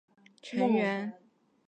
刘麟是健力宝青年队的成员。